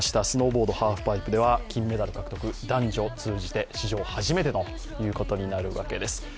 スノーボードハーフパイプでは男女通じて史上初めてということになるわけです。